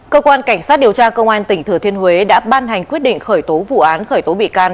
cơ quan cảnh sát điều tra công an tỉnh thừa thiên huế đã ban hành quyết định khởi tố vụ án khởi tố bị can